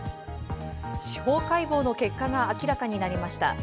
司法解剖の結果が明らかになりました。